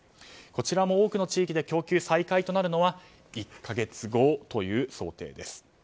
こちらも多くの地域で供給再開となるのは１か月後という想定です。